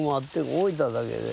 置いただけで。